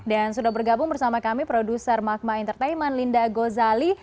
dan sudah bergabung bersama kami produser magma entertainment linda gozali